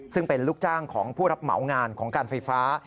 ซึ่งเป็นลูกจ้างของผู้รับเหมางานของการไฟฟ้า